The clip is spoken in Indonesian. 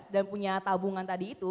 dan punya tabungan tadi itu